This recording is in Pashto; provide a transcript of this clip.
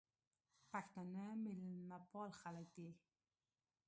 پښتانه مېلمپال خلک دي.